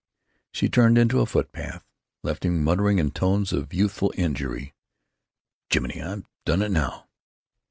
She turned into a footpath; left him muttering in tones of youthful injury, "Jiminy! I've done it now!"